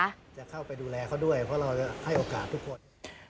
จะเข้าไปดูแลเขาด้วยเพราะเราจะให้โอกาสทุกคน